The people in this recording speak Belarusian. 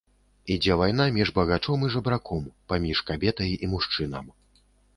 Ідзе вайна між багачом і жабраком, паміж кабетай і мужчынам.